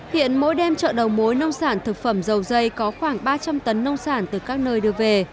hiện mỗi đêm chợ đầu mối nông sản thực phẩm dầu dây có khoảng ba trăm linh tấn nông sản từ các nơi đưa về